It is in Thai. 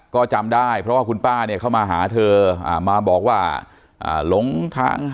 ก็จำได้เพราะว่าคุณป้าเนี่ยเข้ามาหาเธออ่ามาบอกว่าหลงทาง